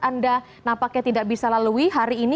anda nampaknya tidak bisa lalui hari ini